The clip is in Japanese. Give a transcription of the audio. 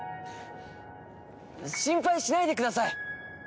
心配しないでください！